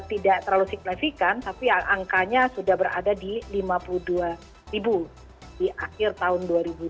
tidak terlalu signifikan tapi angkanya sudah berada di lima puluh dua ribu di akhir tahun dua ribu dua puluh